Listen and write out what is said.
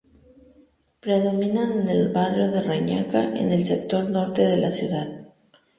Predominan en el barrio de Reñaca, en el sector norte de la ciudad.